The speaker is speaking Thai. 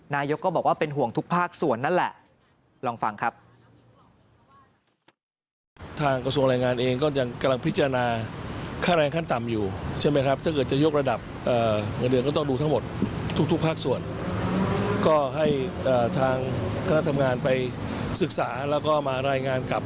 นายกก็บอกว่าเป็นห่วงทุกภาคส่วนนั่นแหละลองฟังครับ